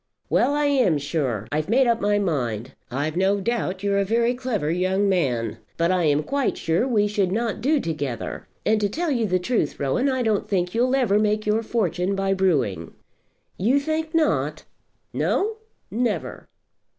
"Well, I am sure; I've made up my mind. I've no doubt you're a very clever young man, but I am quite sure we should not do together; and to tell you the truth, Rowan, I don't think you'll ever make your fortune by brewing." "You think not?" "No; never."